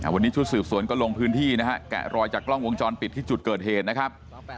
วันนี้ชุดสืบสวนก็ลงพื้นที่นะฮะแกะรอยจากกล้องวงจรปิดที่จุดเกิดเหตุนะครับ